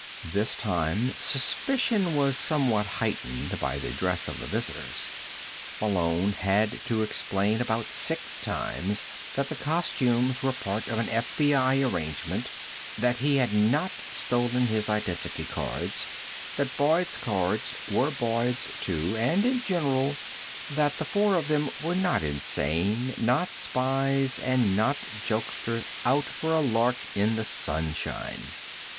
This time, suspicion was somewhat heightened by the dress of the visitors. Malone had to explain about six times that the costumes were part of an FBI arrangement, that he had not stolen his identity cards, that Boyd's cards were Boyd's, too, and in general that the four of them were not insane, not spies, and not jokesters out for a lark in the sunshine.